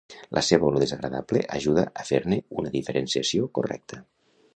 La seva olor desagradable ajuda a fer-ne una diferenciació correcta.